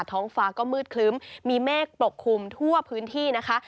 ท้องฟ้าก็มืดคลึ้มมีเมฆปกคลุมทั่วพื้นที่นะคะ